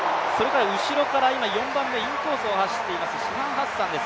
後ろから４番目、インコースを走っているシファン・ハッサンです。